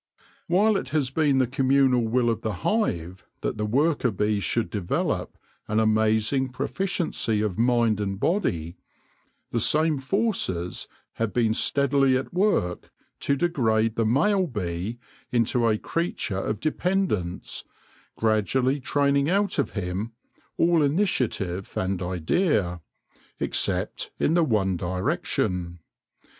While it has been the communal will of the hive that the worker bee should develop an amazing proficiency of mind and body, the same forces have been steadily at work to degrade the male bee into a creature of dependence, gradually training out of him all initia tive and idea, except in the one direction.